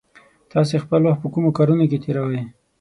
تاسې خپل وخت په کومو کارونو کې تېروئ؟